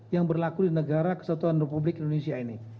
yang berlaku di negara kesatuan republik indonesia ini